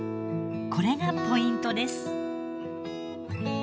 これがポイントです。